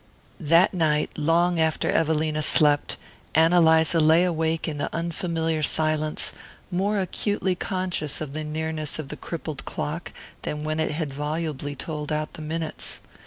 That night, long after Evelina slept, Ann Eliza lay awake in the unfamiliar silence, more acutely conscious of the nearness of the crippled clock than when it had volubly told out the minutes.